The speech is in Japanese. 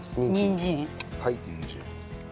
にんじん。